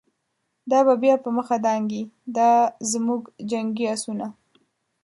دا به بیا په مخه دانګی، دازموږ جنګی آسونه